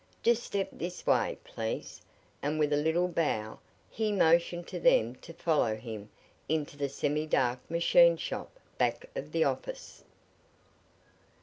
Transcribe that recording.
Just step this way, please," and, with a little bow, he motioned to them to follow him into the semi dark machine shop back of the office.